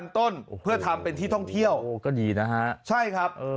ต้นเพื่อทำเป็นที่ท่องเที่ยวก็ดีนะฮะใช่ครับ